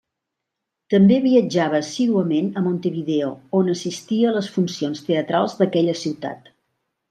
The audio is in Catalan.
També viatjava assíduament a Montevideo, on assistia a les funcions teatrals d'aquella ciutat.